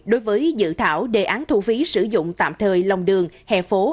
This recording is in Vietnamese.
đối với dự thảo đề án thu phí sử dụng tạm thời lòng đường hè phố